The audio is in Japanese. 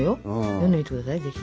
読んでみてくださいぜひ。